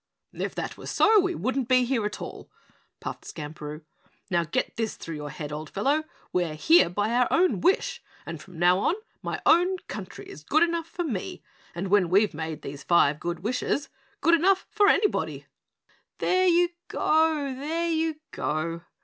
"If that were so, we wouldn't be here at all," puffed Skamperoo. "Now get this through your head, old fellow. We are here by our own wish and from now on my own country is good enough for me and when we've made these five good wishes good enough for anybody!" "There you go! There you go!"